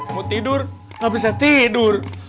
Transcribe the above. mau tidur gak bisa tidur